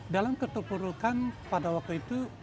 dalam keterpurukan pada waktu itu